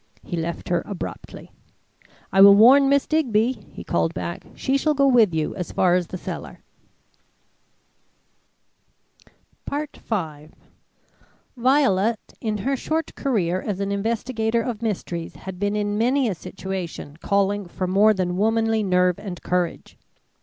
He left her abruptly. "I will warn Miss Digby," he called back. "She shall go with you as far as the cellar." V Violet in her short career as an investigator of mysteries had been in many a situation calling for more than womanly nerve and courage.